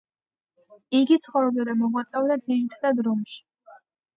იგი ცხოვრობდა და მოღვაწეობდა ძირითადად რომში.